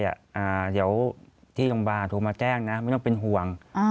เดี๋ยวที่โรงพยาบาลโทรมาแจ้งนะไม่ต้องเป็นห่วง